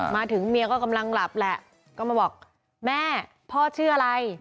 มาถึงเมียก็กำลังหลับแหละก็มาบอกแม่พ่อชื่ออะไร